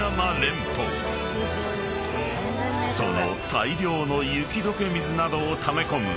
［その大量の雪解け水などをため込む